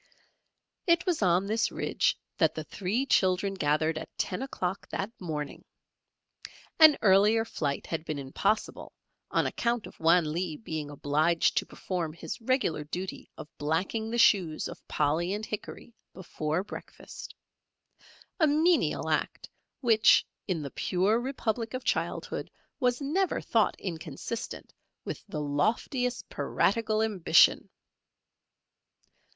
It was on this ridge that the three children gathered at ten o'clock that morning. An earlier flight had been impossible on account of Wan Lee being obliged to perform his regular duty of blacking the shoes of Polly and Hickory before breakfast, a menial act which in the pure Republic of childhood was never thought inconsistent with the loftiest piratical ambition.